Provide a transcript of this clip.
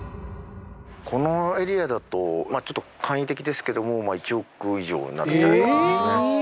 このエリアだとちょっと簡易的ですけども１億以上になるんじゃないかな。